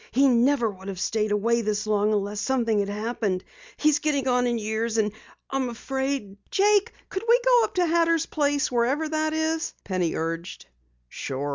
He never would have stayed away this long unless something had happened. He's getting on in years and I'm afraid " "Jake, couldn't we go up to Hatter's place, wherever it is?" Penny urged. "Sure.